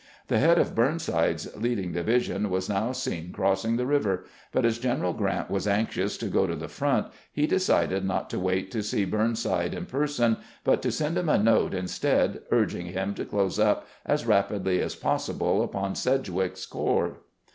The head of Burn side's leading division was now seen crossing the river ; but as General Grant was anxious to go to the front, he decided not to wait to see Burnside in person, but to send him a note instead, urging him to close up as rapidly as possible upon Sedgwick's corps.